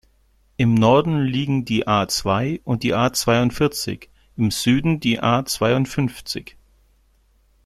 Im Norden liegen die A-zwei und die A-zweiundvierzig, im Süden die A-zweiundfünfzig.